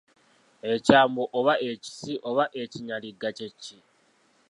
Ekyambo oba ekisi oba ekinyaligga kye ki?